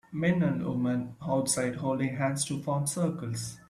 Men and women outside holding hands to form circles.